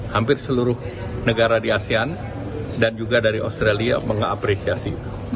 hampir seluruh negara di asean dan juga dari australia mengapresiasi